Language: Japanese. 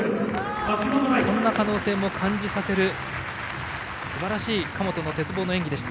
そんな可能性も感じさせるすばらしい神本の鉄棒の演技。